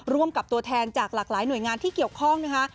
ร่วมกับตัวแทนจากหลากหลายหน่วยงานที่เกี่ยวข้องนะคะ